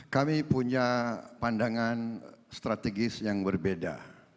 kami punya pandangan strategis yang berbeda